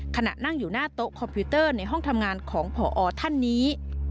ขณะนั่งอยู่หน้าโต๊ะคอมพิวเตอร์ในห้องทำงานของผอท่านนี้